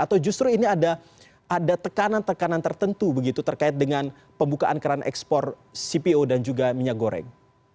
atau justru ini ada tekanan tekanan tertentu begitu terkait dengan pembukaan keran ekspor cpo dan juga minyak goreng